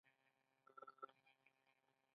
ایا د والدینو غونډې ته ځئ؟